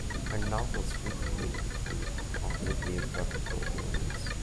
Her novels frequently include autobiographical elements.